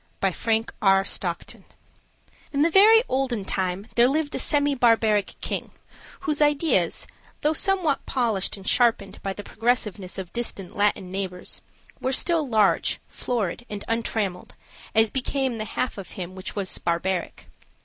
by Frank R. Stockton In the very olden time there lived a semi barbaric king, whose ideas, though somewhat polished and sharpened by the progressiveness of distant Latin neighbors, were still large, florid, and untrammeled, as became the half of him which was barbaric.